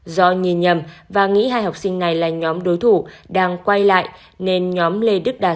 do nhìn nhầm và nghĩ hai học sinh này là nhóm đối thủ đang quay lại nên nhóm lê đức đạt